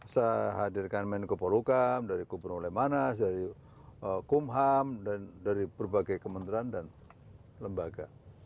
saya hadirkan menko polukam dari gubernur lemanas dari kumham dan dari berbagai kementerian dan lembaga